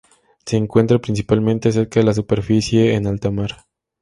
Se encuentra principalmente cerca de la superficie en alta mar.